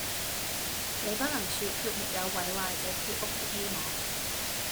你不能說決沒有毀壞這鐵屋的希望。”